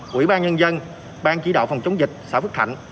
quỹ ban nhân dân ban chỉ đạo phòng chống dịch xã phước thạnh